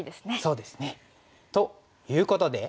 そうですね。ということで。